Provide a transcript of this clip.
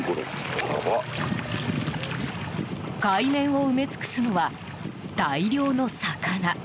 海面を埋め尽くすのは大量の魚。